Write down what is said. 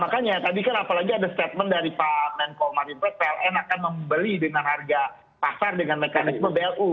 makanya tadi kan apalagi ada statement dari pak menko marin pln akan membeli dengan harga pasar dengan mekanisme blu